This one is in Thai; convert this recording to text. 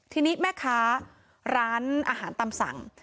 ทีนี้แม่ค้าร้านอาหารตามสั่ง